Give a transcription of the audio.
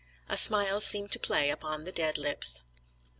A smile seemed to play upon the dead lips.